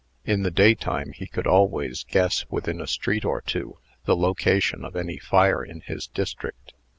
In the daytime, he could always guess, within a street or two, the location of any fire in his district.